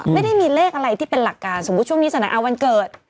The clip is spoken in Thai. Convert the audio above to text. ไม่ได้มีเลขอะไรที่เป็นหลักการสมมุติช่วงนี้สถานการณ์วันเกิด